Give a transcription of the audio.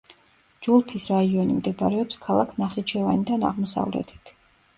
ჯულფის რაიონი მდებარეობს ქალაქ ნახიჩევანიდან აღმოსავლეთით.